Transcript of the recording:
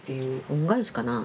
恩返しかな